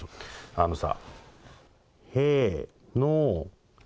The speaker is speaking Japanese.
あのさ。